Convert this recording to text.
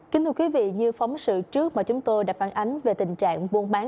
kính thưa quý vị như phóng sự trước mà chúng tôi đã phản ánh về tình trạng buôn bán